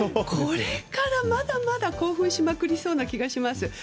これからまだまだ興奮しまくりそうな気がします。